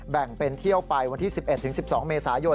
แบ่งเป็นเที่ยวไปวันที่๑๑๑๒เมษายน